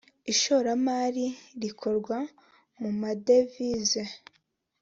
ishoramari rikorwa mu ma devize